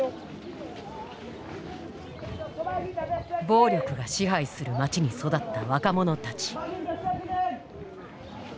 暴力が支配する街に育った若者たち。